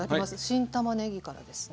新たまねぎからですね。